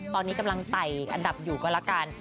ตอนนี้กำลังไต่อันดับอยู่ก็แล้วกัน